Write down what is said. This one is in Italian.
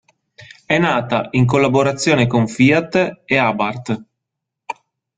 È nata in collaborazione con Fiat e Abarth.